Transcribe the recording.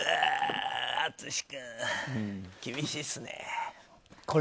淳君厳しいっすね。